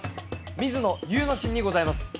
水野祐之進にございます。